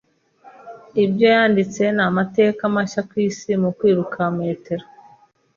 Ibyo yanditse ni amateka mashya ku isi mu kwiruka metero .